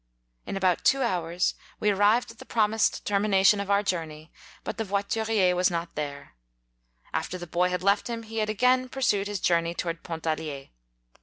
In about two hours we arrived at the promised termination of our jour ney, but the voiturier was not there: after the boy had left him, he again 39 pursued his journey towards Pontalier.